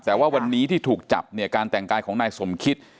แต่ว่าวันนี้ที่ถูกจับเนี่ยการแต่งกายของนายสมคิต